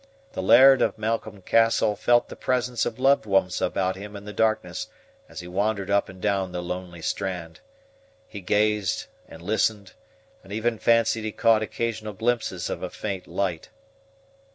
The laird of Malcolm Castle felt the presence of loved ones about him in the darkness as he wandered up and down the lonely strand. He gazed, and listened, and even fancied he caught occasional glimpses of a faint light.